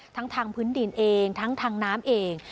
ทั้งทางพื้นดินเองทั้งทางน้ำเอง